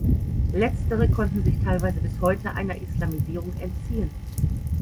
Letztere konnten sich teilweise bis heute einer Islamisierung entziehen.